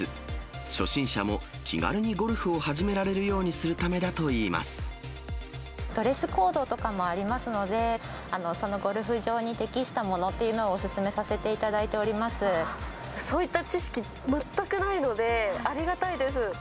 初心者も気軽にゴルフを始められドレスコードとかもありますので、そのゴルフ場に適したものっていうのをお勧めさせていただいておそういった知識、全くないのでありがたいです。